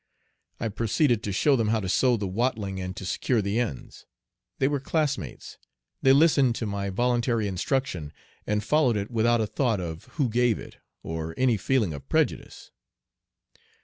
I proceeded to show them how to sew the watling and to secure the ends. They were classmates. They listened to my voluntary instruction and followed it without a thought of who gave it, or any feeling of prejudice.